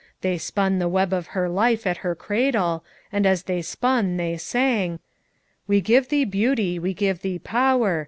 They spun the web of her life. at her cradle, and as they spun they sang: " 'We give thee beauty, we give thee power.